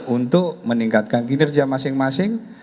untuk meningkatkan kinerja masing masing